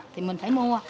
thì mình phải mua